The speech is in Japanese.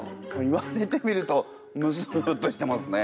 言われてみるとむすっとしてますね。